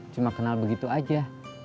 cuma kenal begitu aja